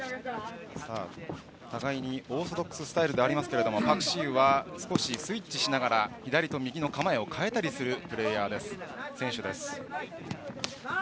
互いにオーソドックススタイルですがパク・シウは少しスイッチしながら左と右の構えを変えたりする選手です。